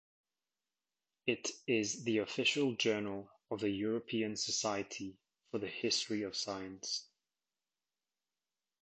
It is the official journal of the European Society for the History of Science.